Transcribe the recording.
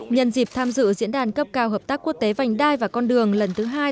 nhân dịp tham dự diễn đàn cấp cao hợp tác quốc tế vành đai và con đường lần thứ hai